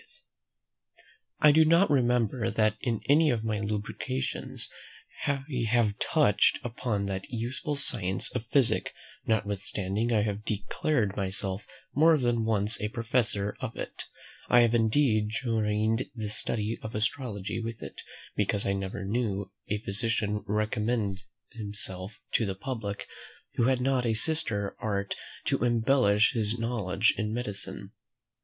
I do not remember that in any of my lucubrations I have touched upon that useful science of physic, notwithstanding I have declared myself more than once a professor of it. I have indeed joined the study of astrology with it, because I never knew a physician recommend himself to the public who had not a sister art to embellish his knowledge in medicine.